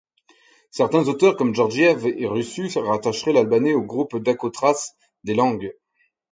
Certains auteurs comme Georgiev et Russu rattacherait l'albanais au groupe daco-thrace des langues.